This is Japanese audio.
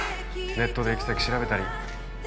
ネットで行き先調べたり。